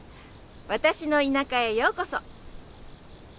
私の田舎へようこそ！